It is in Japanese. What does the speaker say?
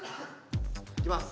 いきます。